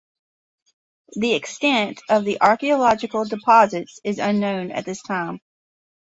The extent of the archaeological deposits is unknown at this time.